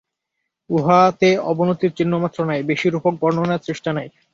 উহাতে অবনতির চিহ্নমাত্র নাই, বেশী রূপক-বর্ণনার চেষ্টা নাই।